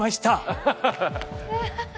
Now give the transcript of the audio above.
ハハハハ！